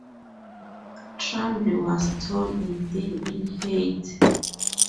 Trumble was tall and thin, in height.